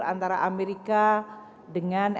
antara amerika dengan